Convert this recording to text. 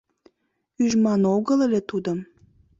Ӱжман огыл ыле тудым.